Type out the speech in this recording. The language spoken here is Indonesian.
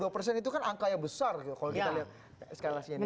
tujuh puluh dua persen itu kan angka yang besar kalau kita lihat skalasnya ini